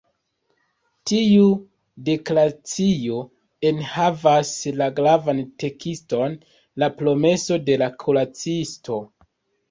Tiu deklaracio enhavas la gravan tekston “La promeso de la kuracisto”.